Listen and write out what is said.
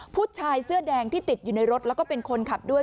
ผู้ชายเสื้อแดงที่ติดอยู่ในรถแล้วก็เป็นคนขับด้วย